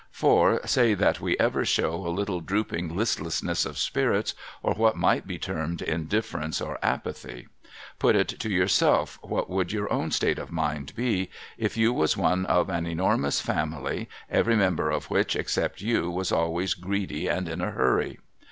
For, say that we ever show a little drooping listlcssness of spirits, or what might be termed indifference or apathy. Put it to yourself what would your own state of mind be, if you was one of an enormous family every member of which except you was always greedy, and in a hurry.